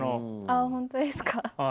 あっ本当ですか？